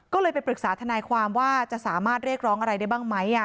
ก็เลยไปปรึกษาทนายความว่าจะสามารถเรียกร้องอะไรได้บ้างไหม